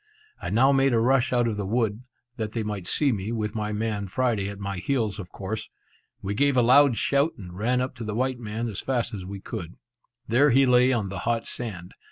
I now made a rush out of the wood, that they might see me, with my man Friday at my heels, of course. We gave a loud shout, and ran up to the white man as fast as we could. There he lay on the hot sand.